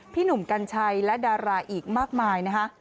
พี่หนุ่มกัญชัยและดาราอีกมากมายนะคะ